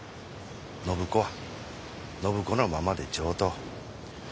暢子は暢子のままで上等。